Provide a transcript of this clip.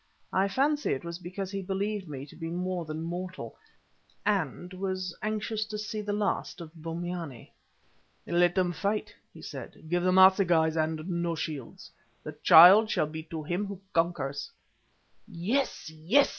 I fancy it was because he believed me to be more than mortal, and was anxious to see the last of Bombyane. "Let them fight," he said. "Give them assegais and no shields; the child shall be to him who conquers." "Yes! yes!"